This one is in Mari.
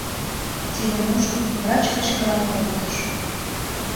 Тидым ужын, врач кычкырал колтыш: